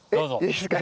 いいですか？